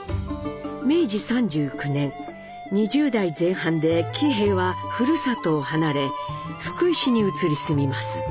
明治３９年２０代前半で喜兵衛はふるさとを離れ福井市に移り住みます。